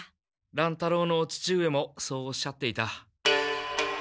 乱太郎のお父上もそうおっしゃっていた。